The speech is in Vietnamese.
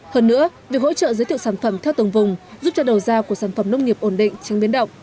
hơn nữa việc hỗ trợ giới thiệu sản phẩm theo tầng vùng giúp cho đầu ra của sản phẩm nông nghiệp ổn định tránh biến động